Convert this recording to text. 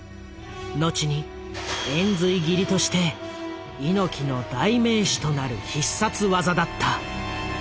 後に「延髄斬り」として猪木の代名詞となる必殺技だった。